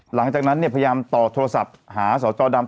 หลังจากนั้นเนี่ยพยายามต่อโทรศัพท์หาสจดำ